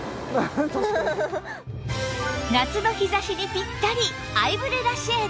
夏の日差しにピッタリ！アイブレラシェード